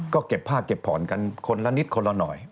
ก็เก็บผ้าเก็บผ่อนกันคนละนิดคนละหน่อย